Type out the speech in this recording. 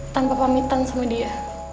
tanpa pamitan sama dia